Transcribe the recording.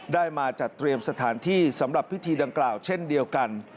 ได้มาจัดเตรียมสถานที่สำหรับพิธีดังกล่าวเช่นเดียวกัน